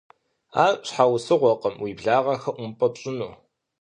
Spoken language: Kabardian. Ар щхьэусыгъуэкъым уи благъэхэр Ӏумпэм пщӀыну.